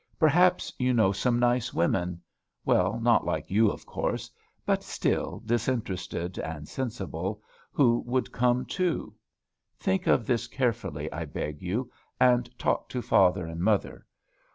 Perhaps you know some nice women, well, not like you, of course; but still, disinterested and sensible, who would come too. Think of this carefully, I beg you, and talk to father and mother.